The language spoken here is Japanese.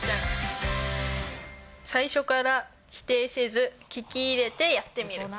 最初から否定せず聞き入れてやってみる。